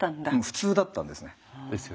普通だったんですね。